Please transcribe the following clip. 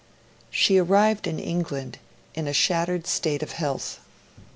She arrived in England in a shattered state of health.